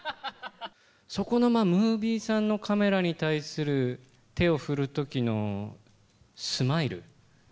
そこのムービーさんのカメラに対する手を振る時のスマイル。